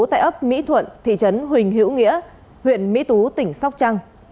tại ấp mỹ thuận thị trấn huỳnh hữu nghĩa huyện mỹ tú tỉnh sóc trăng